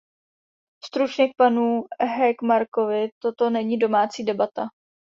Stručně k panu Hökmarkovi, toto není domácí debata.